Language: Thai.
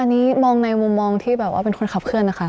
อันนี้มองในมุมมองที่แบบว่าเป็นคนขับเคลื่อนนะคะ